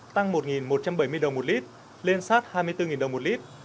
tăng một một trăm bảy mươi đồng một lít lên sát hai mươi bốn đồng một lít